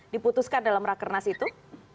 diputuskan dalam rakernas itu